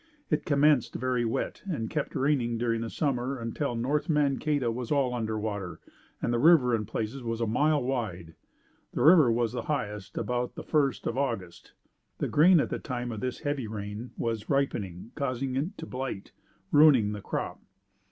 It commenced very wet and kept raining during the summer until North Mankato was all under water and the river in places was a mile wide. The river was the highest about the first of August. The grain at the time of this heavy rain was ripening causing it to blight, ruining the crop.